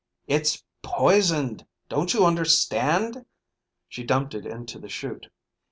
"It's poisoned, don't you understand?" She dumped it into the chute.